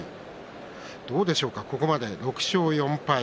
どうでしょうか、ここまで６勝４敗。